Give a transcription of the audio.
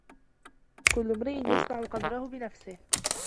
كل إمريء يصنع قدرهُ بنفسه.